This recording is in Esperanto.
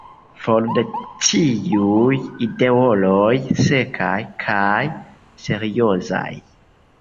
For de ĉiuj idealoj sekaj kaj seriozaj!"